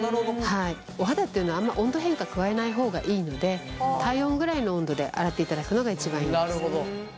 お肌っていうのはあんま温度変化加えない方がいいので体温ぐらいの温度で洗っていただくのが一番いいんです。